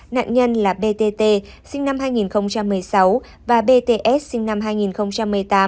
nạn nhân là btt sinh năm hai nghìn một mươi sáu và bts sinh năm hai nghìn một mươi tám